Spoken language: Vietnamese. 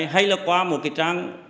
hay là qua một cái trang